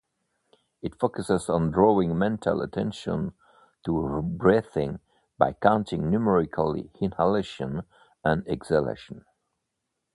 It focuses on drawing mental attention to breathing by counting numerically inhalation and exhalation.